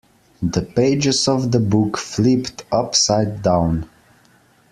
The pages of the book flipped upside down.